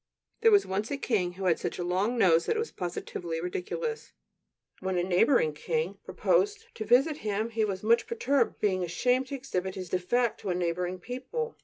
There was once a king who had such a long nose that it was positively ridiculous. When a neighboring king proposed to visit him, he was much perturbed, being ashamed to exhibit his defect to a neighboring people.